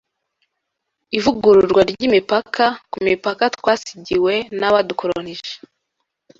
ivugururwa ry’imipaka ku mipaka twasigiwe n’abadukolonije